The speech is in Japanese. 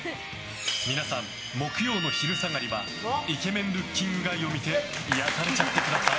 皆さん、木曜の昼下がりはイケメン・ルッキング・ガイを見て癒やされちゃってください！